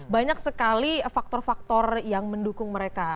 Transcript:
banyak sekali faktor faktor yang mendukung mereka